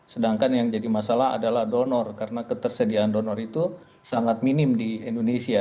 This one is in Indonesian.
sedangkan yang jadi masalah adalah donor karena ketersediaan donor itu sangat minim di indonesia